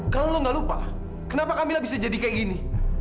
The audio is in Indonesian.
kalau lo gak lupa kenapa kamilah bisa jadi kayak gini